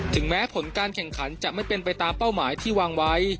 แม้ผลการแข่งขันจะไม่เป็นไปตามเป้าหมายที่วางไว้